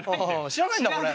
知らないんだこれ。